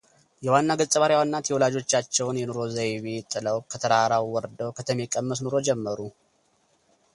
የዋና ገጸባሕሪዋ እናት የወላጆቻቸውን የኑሮ ዘይቤ ጥለው ከተራራው ወርደው ከተሜ ቀመስ ኑሮ ጀመሩ።